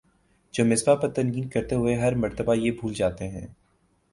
جو مصباح پر تنقید کرتے ہوئے ہر مرتبہ یہ بھول جاتے ہیں